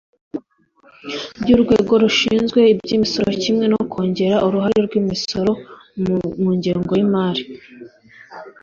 by'urwego rushinzwe iby'imisoro kimwe no kongera uruhare rw'imisoro mu ngengo y'imari